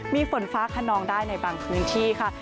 มีฝนฟ้าขนองได้ในบางพื้นที่ค่ะ